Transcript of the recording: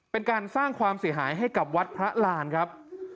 เป็นการสร้างความเสียหายให้กับวัดพระลานครับ